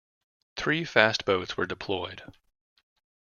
Three fast boats were deployed.